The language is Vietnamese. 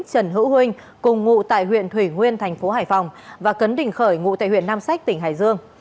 trần hữu huynh cùng ngụ tại huyện thủy nguyên tp hải phòng và cấn đình khởi ngụ tại huyện nam sách tỉnh hải dương